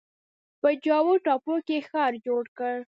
په جاوا ټاپو کې ښار جوړ کړ.